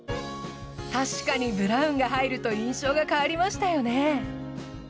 確かにブラウンが入ると印象が変わりましたよね。